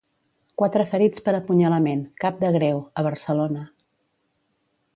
Quatre ferits per apunyalament, cap de greu, a Barcelona.